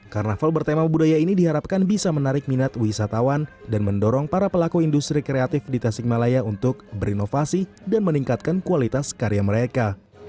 karnaval bertema budaya ini diharapkan bisa menarik minat wisatawan dan mendorong para pelaku industri kreatif di tasikmalaya untuk berinovasi dan meningkatkan kualitas karya mereka